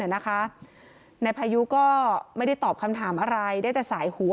นายพายุก็ไม่ได้ตอบคำถามอะไรได้แต่สายหัว